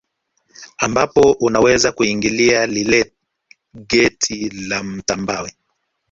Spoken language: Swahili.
Ambapo unaweza kuingilia lile geti la matambwe